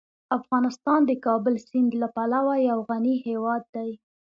افغانستان د کابل سیند له پلوه یو غني هیواد دی.